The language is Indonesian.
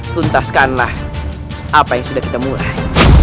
tuntaskanlah apa yang sudah kita mulai